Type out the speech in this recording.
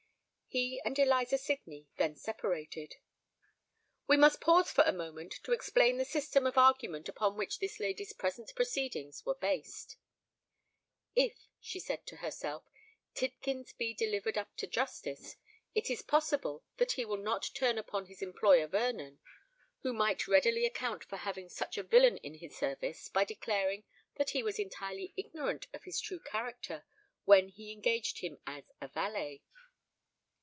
He and Eliza Sydney then separated. We must pause for a moment to explain the system of argument upon which this lady's present proceedings were based. "If," she said to herself, "Tidkins be delivered up to justice, it is possible that he will not turn upon his employer Vernon, who might readily account for having such a villain in his service by declaring that he was entirely ignorant of his true character when he engaged him as a valet.